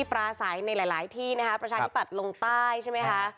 ปราศัยในหลายที่นะคะประชาธิปัตย์ลงใต้ใช่ไหมคะ